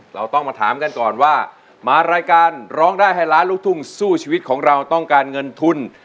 เราต้องมาถามกันก่อนว่ามารายการร้องได้ให้ล้านลูกทุ่งสู้ชีวิตของเราต้องการเงินทุน